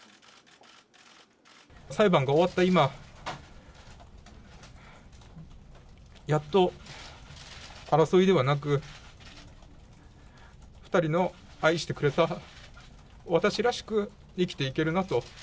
裁判が終わった今、やっと争いではなく、２人の愛してくれた私らしく生きていけるなと。